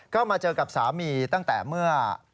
ก็มาเจอกับสามีตั้งแต่เมื่อ